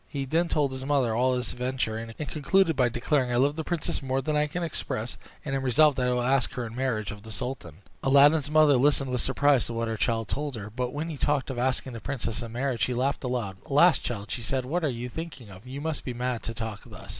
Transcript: He then told his mother all his adventure, and concluded by declaring, "I love the princess more than I can express, and am resolved that I will ask her in marriage of the sultan." Aladdin's mother listened with surprise to what her son told her; but when he talked of asking the princess in marriage, she laughed aloud. "Alas! child," said she, "what are you thinking of? You must be mad to talk thus."